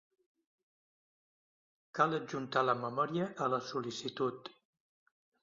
Cal adjuntar la memòria a la sol·licitud.